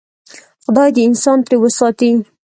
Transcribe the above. خدای دې انسان ترې وساتي.